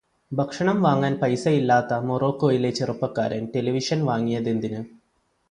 ഭക്ഷണം വാങ്ങാൻ പൈസയില്ലാത്ത മൊറോക്കോയിലെ ചെറുപ്പക്കാരൻ റ്റെലിവിഷന് വാങ്ങിയതെന്തിന്?